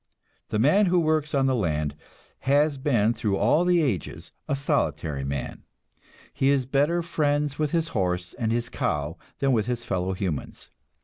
The man who works on the land has been through all the ages a solitary man. He is better friends with his horse and his cow than with his fellow humans.